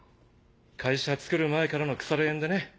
会社つくる前からの腐れ縁でね。